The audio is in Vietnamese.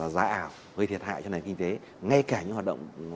giá ảo gây thiệt hại cho nền kinh tế ngay cả những hoạt động